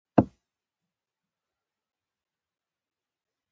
د هندوستان وېش د هغه شاعري حماسي کړه